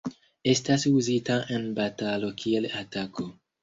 Estas uzita en batalo kiel atako.